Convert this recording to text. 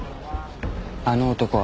あの男